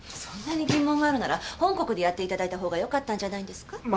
そんなに疑問があるなら本国でやっていただいた方がよかったんじゃないんですか？